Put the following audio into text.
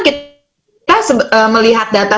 kita melihat data